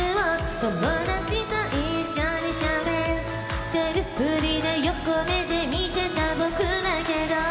「友達と一緒に喋ってるふりで横目で見てた僕だけど」